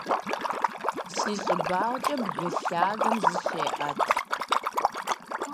Си щӀыбагъкӀэ бгы лъагэм зыщеӀэт.